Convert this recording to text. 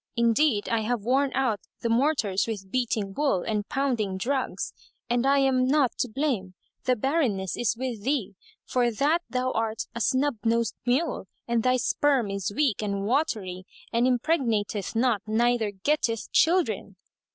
Indeed, I have worn out the mortars with beating wool and pounding drugs,[FN#186] and I am not to blame; the barrenness is with thee, for that thou art a snub nosed mule and thy sperm is weak and watery and impregnateth not neither getteth children."